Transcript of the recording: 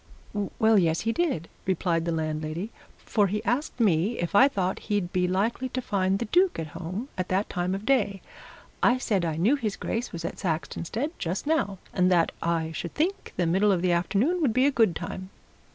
"Well, yes, he did," replied the landlady. "For he asked me if I thought he'd be likely to find the Duke at home at that time of day. I said I knew his Grace was at Saxonsteade just now, and that I should think the middle of the afternoon would be a good time."